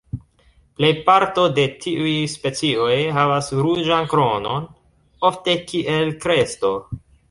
Plej parto de tiuj specioj havas ruĝan kronon, ofte kiel kresto.